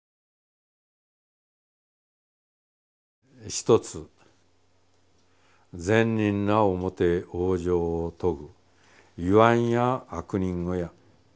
「一つ善人なおもて往生をとぐいわんや悪人をや。